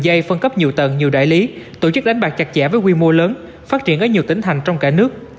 dây phân cấp nhiều tầng nhiều đại lý tổ chức đánh bạc chặt chẽ với quy mô lớn phát triển ở nhiều tỉnh thành trong cả nước